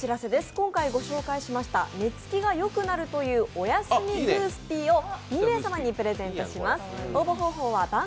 今回ご紹介した寝つきがよくなるというおやすみグースピーを２名様にプレゼントします。